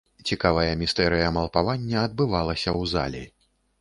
Цікавая містэрыя малпавання адбывалася ў залі.